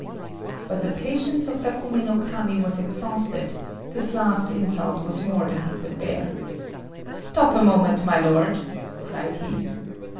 But the patience of Takumi no Kami was exhausted; this last insult was more than he could bear. "Stop a moment, my lord," cried he.